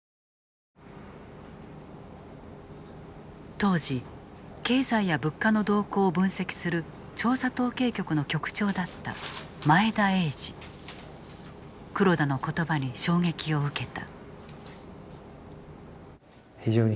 当時経済や物価の動向を分析する調査統計局の局長だった黒田の言葉に衝撃を受けた。